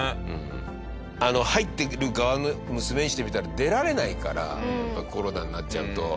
入ってる側の娘にしてみたら出られないからコロナになっちゃうと。